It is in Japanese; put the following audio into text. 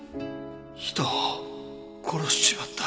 人を殺しちまった。